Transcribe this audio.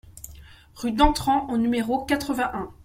Rue d'Antran au numéro quatre-vingt-un